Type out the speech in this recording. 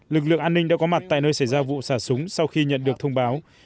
lực lượng an ninh đã có mặt tại nơi xảy ra vụ xả súng sau khi nhận được thông báo